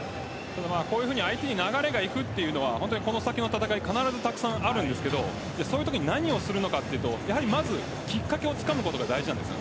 こういうふうに相手に流れがいくというのはこの先の戦いで必ずあるんですけどそのときに何をするのかというとまずきっかけをつかむことが大事です。